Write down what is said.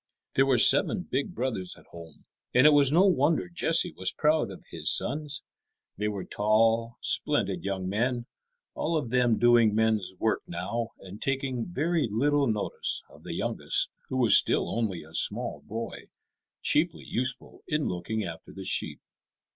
There were seven big brothers at home, and it was no wonder Jesse was proud of his sons. They were tall, splendid young men, all of them doing men's work now, and taking very little notice of the youngest, who was still only a small boy, chiefly useful in looking after the sheep.